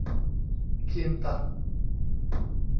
คีมตัด